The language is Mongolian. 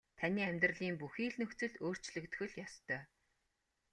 Таны амьдралын бүхий л нөхцөл өөрчлөгдөх л ёстой.